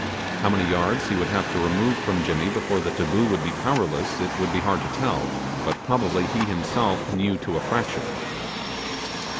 How many yards he would have to remove from Jimmy before the taboo would be powerless, it would be hard to tell, but probably he himself knew to a fraction.